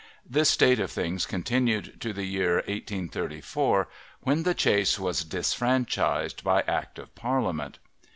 This state of things continued to the year 1834, when the chase was "disfranchised" by Act of Parliament.